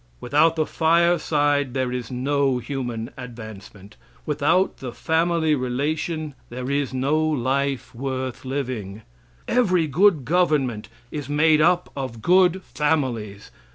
Without the fireside there is no human advancement; without the family relation, there is no life worth living. Every good government is made up of good families.